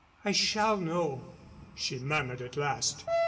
"I shall know," she murmured at last.